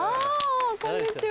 こんにちは。